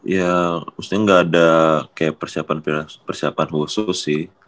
ya maksudnya gak ada kayak persiapan khusus sih